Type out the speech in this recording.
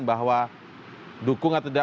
bahwa dukung atau tidak